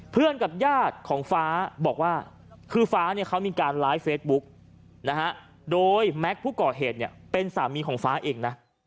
เพื่อนกับญาติของฟ้าบอกว่าคือฟ้าเขามีการไลฟ์เฟซบุ๊คโดยแม็กซ์ผู้ก่อเหตุเป็นสามีของฟ้าเองนะ